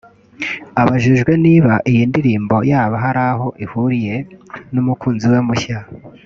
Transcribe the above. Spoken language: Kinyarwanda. Abajijwe niba iyi ndirimbo yaba hari aho ihuriye n’umukunzi we mushya